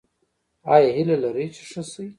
ایا هیله لرئ چې ښه شئ؟